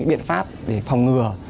những biện pháp để phòng ngừa